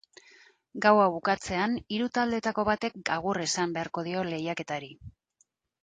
Gaua bukatzean, hiru taldeetako batek agur esan beharko dio lehiaketari.